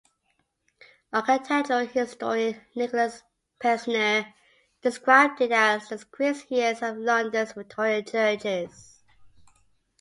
Architectural historian Nikolaus Pevsner described it as "the craziest of London’s Victorian churches".